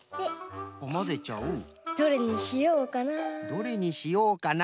どれにしようかな。